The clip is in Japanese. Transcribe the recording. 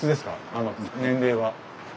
あの年齢は。